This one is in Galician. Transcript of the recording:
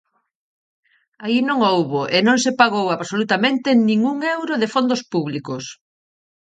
Aí non houbo e non se pagou absolutamente nin un euro de fondos públicos.